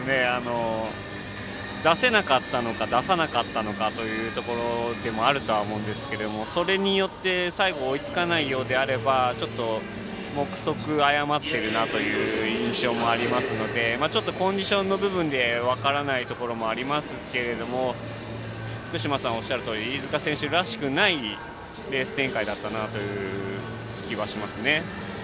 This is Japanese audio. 出せなかったのか出さなかったのかというところでもあるとは思うんですけれどもそれによって最後追いつかないようであればちょっと目測誤っているなという印象もありますのでちょっとコンディションの部分で分からないところもありますが福島さんおっしゃるとおり飯塚選手らしくないレース展開だったなという気はしますね。